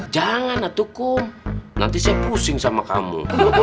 jangan aku nanti saya pusing sama kamu